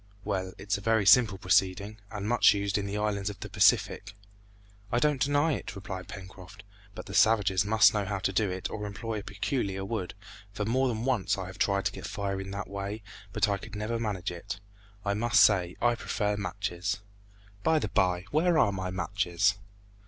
"Well, it's a very simple proceeding, and much used in the islands of the Pacific." "I don't deny it," replied Pencroft, "but the savages must know how to do it or employ a peculiar wood, for more than once I have tried to get fire in that way, but I could never manage it. I must say I prefer matches. By the bye, where are my matches?"